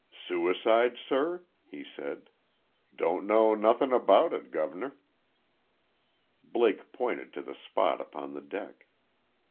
"Suicide, sir?" he said. "Don't know nothink about it, gov'ner." Blake pointed to the spot upon the deck.